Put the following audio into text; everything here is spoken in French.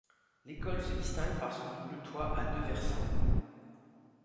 L'école se distingue par son double toit à deux versants.